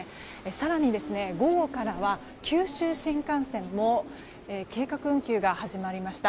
更に、午後からは九州新幹線も計画運休が始まりました。